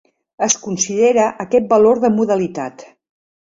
Es considera aquest valor de modalitat.